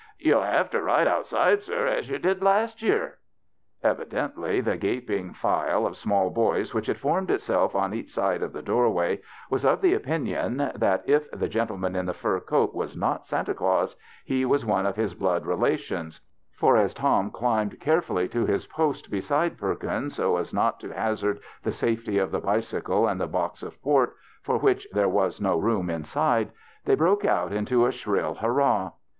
" Yer '11 have to ride outside, sir, as yer did last year." Evidently the gaping file of small boys which had formed itself on each side of the doorway was of the opinion that, if the gen tleman in the fur coat was not Santa Claus, he was one of his blood relations, for, as Tom climbed carefully to his post beside Perkins so as not to hazard the safety of the bicycle and the box of port, for which there was no room inside, they broke out into a shrill hurrah.